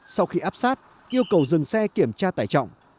sau khi áp sát yêu cầu dừng xe kiểm tra tải trọng